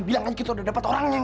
bilang aja kita udah dapat orangnya